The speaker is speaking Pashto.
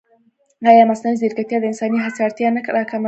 ایا مصنوعي ځیرکتیا د انساني هڅې اړتیا نه راکموي؟